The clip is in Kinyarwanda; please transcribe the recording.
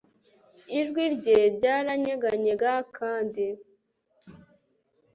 ijwi rye ryaranyeganyega kandi